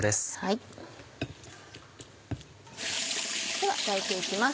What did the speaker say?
では焼いて行きます。